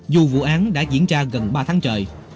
dù vụ án đã diễn ra gần ba tháng trời